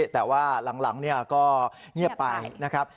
แต่ว่าหลังก็เงียบไปนะครับ